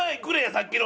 さっきの。